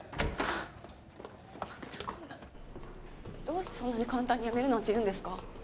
どうしてそんなに簡単に辞めるなんて言うんですか？